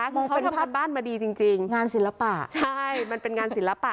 มองเค้าทำผ้าบ้านมาดีจริงจริงงานศิลปะใช่มันเป็นงานศิลปะ